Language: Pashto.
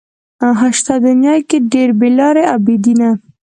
شته دنيا کې ډېر بې لارې او بې دينه